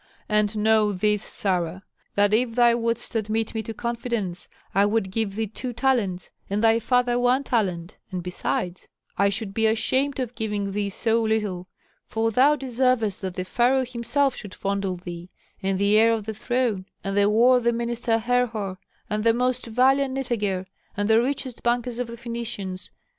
And know this, Sarah, that if thou wouldst admit me to confidence I would give thee two talents, and thy father one talent, and, besides, I should be ashamed of giving thee so little, for thou deservest that the pharaoh himself should fondle thee, and the heir of the throne, and the worthy minister Herhor, and the most valiant Nitager, and the richest bankers of the Phœnicians.